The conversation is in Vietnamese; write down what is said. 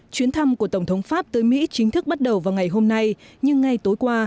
chuyến thăm của tổng thống pháp tới mỹ chính thức bắt đầu vào ngày hôm nay nhưng ngay tối qua